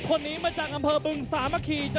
พิวัติสตร์สมนุษย์